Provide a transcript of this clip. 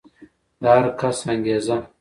د هر کس انګېزه